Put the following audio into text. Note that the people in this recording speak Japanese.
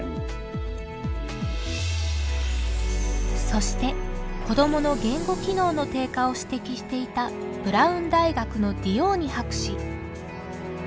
そして子どもの言語機能の低下を指摘していたブラウン大学のディオーニ博士。